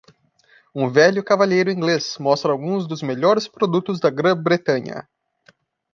Um velho cavalheiro inglês mostra alguns dos melhores produtos da Grã-Bretanha.